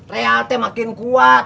rial teh makin kuat